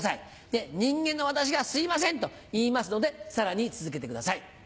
で人間の私が「すいません」と言いますのでさらに続けてください。